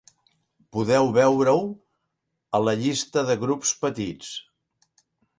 Podeu veure-ho a la llista de grups petits.